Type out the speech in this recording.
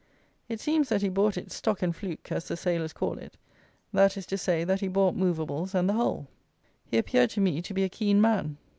It seems that he bought it "stock and fluke" as the sailors call it; that is to say, that he bought moveables and the whole. He appeared to me to be a keen man.